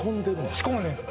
仕込んでるんだ